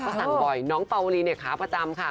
ก็สั่งบ่อยน้องปาวรีเนี่ยขาประจำค่ะ